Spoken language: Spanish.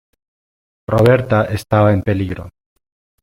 Roberta estaba en peligro.